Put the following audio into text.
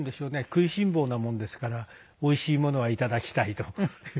食いしん坊なもんですからおいしいものは頂きたいと。